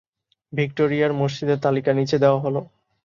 ভিক্টোরিয়ার মসজিদের তালিকা নিচে দেওয়া হল।